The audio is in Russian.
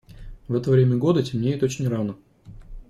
В это время года темнеет очень рано.